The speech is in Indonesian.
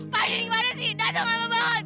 pak diri gimana sih dato maaf banget